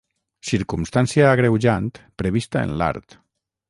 Circumstància agreujant prevista en l'art.